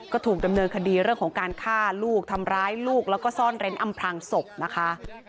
ก็ถูกดำเนินคดีเรื่องของการฆ่าลูกทำร้ายลูกแล้วก็ซ่อนเร้นอำพลังศพนะคะ